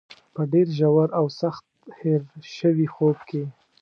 په ډېر ژور او سخت هېر شوي خوب کې.